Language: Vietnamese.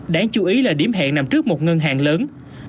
đáng chú ý là điểm hẹn nằm trước một ngân hàng lớn